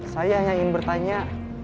saya hanya ingin bertanya